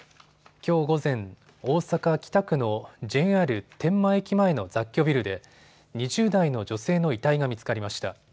きょう午前、大阪北区のＪＲ天満駅前の雑居ビルで２０代の女性の遺体が見つかりました。